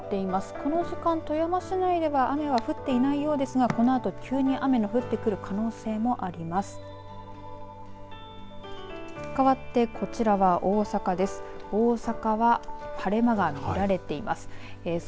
この時間、富山市内では雨は降っていないようですがこのあと急に雨の降ってくる可能性もあります。